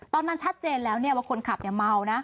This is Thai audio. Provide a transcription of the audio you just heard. ตอนมันชัดเจนแล้วเนี่ยว่าคนขับเนี่ยเงานะ